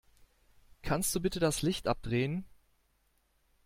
Kannst du bitte das Licht abdrehen?